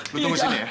lo tunggu sini ya